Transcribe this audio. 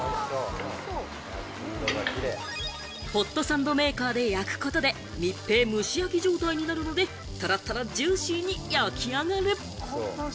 ホットサンドメーカーで焼くことで、密閉、蒸し焼き状態になるので、トロトロジューシーに焼き上がる。